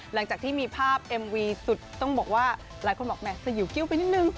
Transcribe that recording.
หลังจากที่มีภาพเอ็มวีสุดต้องบอกว่าหลายคนบอกแห่สยิวกิ้วไปนิดนึง